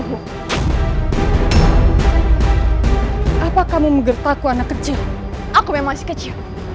biasa kita membanezoklated semua anak saya